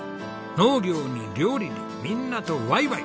農業に料理にみんなとワイワイ！